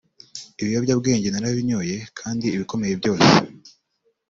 Ibiyobyabwenge narabinyoye kandi ibikomeye byose